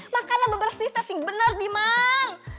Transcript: makanya beberapa cerita sih benar diman